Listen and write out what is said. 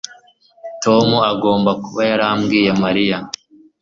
Tom agomba kuba yarabwiye Mariya